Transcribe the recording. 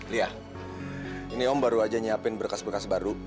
lihat ini om baru aja nyiapin berkas berkas baru